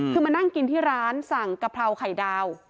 คือมานั่งกินที่ร้านสั่งกะเพราไข่ดาว